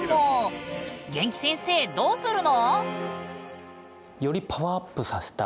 元気先生どうするの？